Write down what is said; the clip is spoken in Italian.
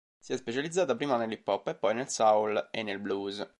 Si è specializzata prima nell'hip hop e poi nel soul e nel blues.